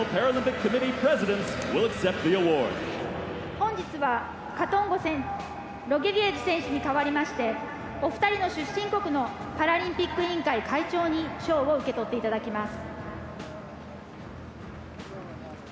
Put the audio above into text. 本日は、カトンゴ選手ロゲヴィェジ選手に代わりましてお二人の出身国のパラリンピック委員会会長に賞を受け取っていただきます。